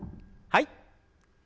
はい。